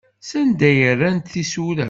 Sanda ay rrant tisura?